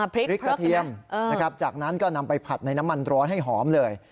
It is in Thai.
พริกกระเทียมนะครับจากนั้นก็นำไปผัดในน้ำมันร้อนให้หอมเลย